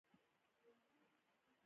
• ته زما د زړه میلمانه نه، مالک یې.